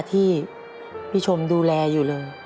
ที่พี่ชมดูแลอยู่เลย